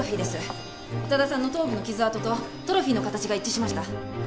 宇多田さんの頭部の傷痕とトロフィーの形が一致しました。